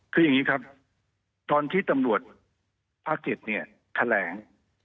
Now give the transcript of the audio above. คืออย่างนี้ครับตอนที่ตำรวจภาค๗เนี่ยแถลง